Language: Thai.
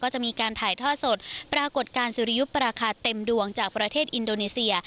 จะมีการถ่ายท่อสดปรากฏการณ์สุริยุปราคาเต็มดวงจากประเทศอินโดนีเซีย